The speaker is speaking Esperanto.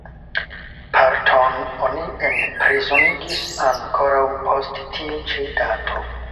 Parton oni enprizonigis ankoraŭ post tiu ĉi dato.